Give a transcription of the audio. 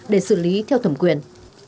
để xử lý theo thẩm quyền